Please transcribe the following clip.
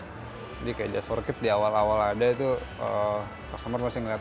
jadi kayak just work it di awal awal ada itu customer masih melihat